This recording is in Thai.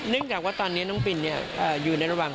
จากว่าตอนนี้น้องปินอยู่ในระหว่าง